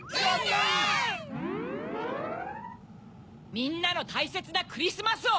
みんなのたいせつなクリスマスを！